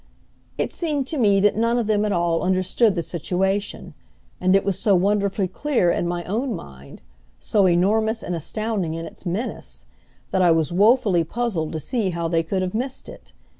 It seemed to me that none of them at all understood the situation, and it was so wonderfully clear, in my own mind, so enormous and astounding in its menace, that I was woefully puzzled to see how they could have missed it.